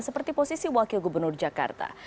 seperti posisi wakil gubernur jakarta